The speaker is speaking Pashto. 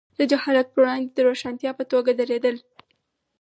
د جهالت پر وړاندې د روښانتیا په توګه درېدل.